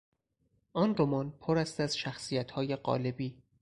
آن رمان پر است از شخصیتهای قالبی.